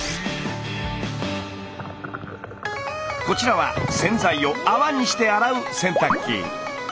こちらは洗剤を泡にして洗う洗濯機。